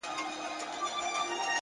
لوړ اخلاق دروازې پرانیزي,